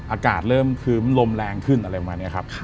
อากาศเริ่มคือมันลมแรงขึ้นอะไรมาเนี่ยครับ